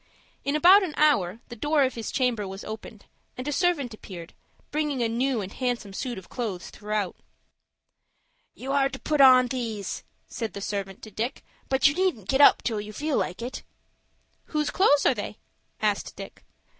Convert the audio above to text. In about an hour the door of his chamber was opened, and a servant appeared, bringing a new and handsome suit of clothes throughout. "You are to put on these," said the servant to Dick; "but you needn't get up till you feel like it." "Whose clothes are they?" asked Dick.